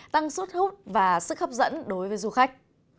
tăng suất hút và sức hấp dẫn đối với du khách